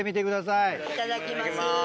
いただきます。